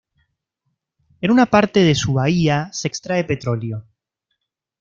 En una parte de su bahía se extrae petróleo.